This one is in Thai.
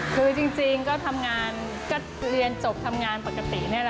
คือจริงก็ทำงานก็เรียนจบทำงานปกตินี่แหละ